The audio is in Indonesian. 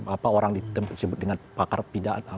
apa orang ditemukan sebut dengan pakar pindahan